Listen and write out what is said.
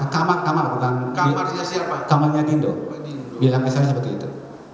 kamarnya redindo bilang pesan seperti itu